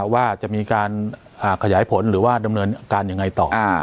ว่าจะมีการขยายผลหรือว่าดำเนินการยังไงต่อ